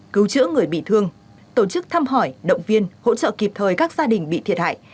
cứu chữa người bị thương tổ chức thăm hỏi động viên hỗ trợ kịp thời các gia đình bị thiệt hại